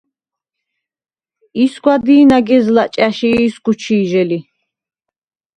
ისგვა დი̄ნაგეზლა̈ ჭა̈ში ისგუ ჩი̄ჟე ლი.